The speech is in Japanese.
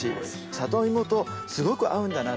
里芋とすごく合うんだなって。